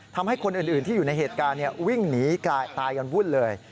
ทำให้คนอื่นที่อยู่ในเหตุการณ์วิ่งหนีตายกันวุ่นเลย